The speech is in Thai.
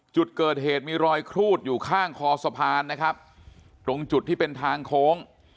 จุดเกิดเหตุมีรอยครูดอยู่ข้างคอสะพานนะครับตรงจุดที่เป็นทางโค้ง